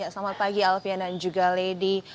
selamat pagi alfian dan juga lady